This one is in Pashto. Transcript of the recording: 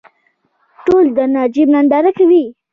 ټول د نجیب ننداره کوي.